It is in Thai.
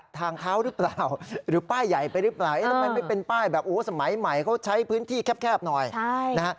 ทางเท้าหรือเปล่าหรือป้ายใหญ่ไปหรือเปล่าทำไมไม่เป็นป้ายแบบโอ้สมัยใหม่เขาใช้พื้นที่แคบหน่อยนะฮะ